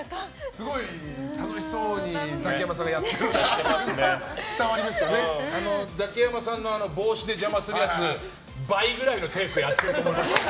すごい楽しそうにザキヤマさんがやってるなってザキヤマさんの帽子で邪魔するやつ、倍ぐらいのテイクやってると思いますよ。